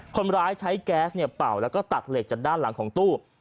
คนร้ายใช้แก๊สเปล่าและตัดเหล็กจากด้านหลังของตู้